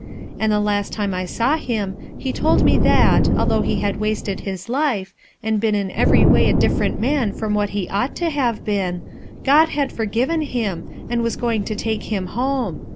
And the last time I saw him he told me that, although he had wasted his life, and been in every way a different man from what he ought to have been, God had forgiven him, and was going to take him home.